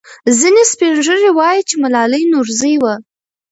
ځینې سپین ږیري وایي چې ملالۍ نورزۍ وه.